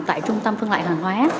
tại trung tâm phân loại hàng hóa